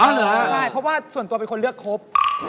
ใช่เพราะว่าส่วนตัวเป็นคนเลือกครบ